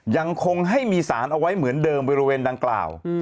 ยังคงให้มีสารเอาไว้เหมือนเดิมบริเวณดังกล่าว